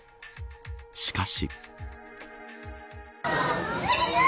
しかし。